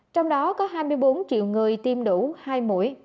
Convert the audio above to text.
trong đó có hai mươi bốn triệu người tiêm đủ hai mũi